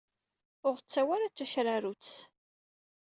Ur ɣ-ttawi ara d tacerrarutt.